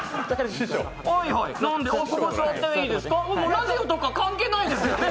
ラジオとか関係ないですよね。